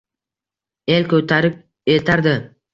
El ko’tarib eltardi.